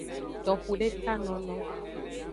Toxudekanono.